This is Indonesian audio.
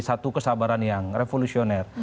satu kesabaran yang revolusioner